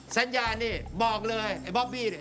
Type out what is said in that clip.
แสดงนี้บอกเลยไอบ๊อบบี้เนี่ย